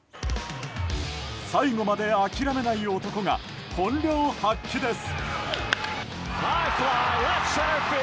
最後まで諦めない男が本領発揮です。